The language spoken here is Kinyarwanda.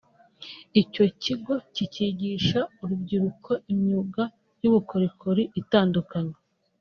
Icyo kigo kikigisha urubyiruko imyuga y’ubukorikori itandukanye